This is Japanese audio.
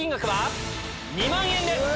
２万円です！